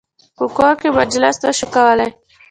په کور کې مجلس نه شو کولای.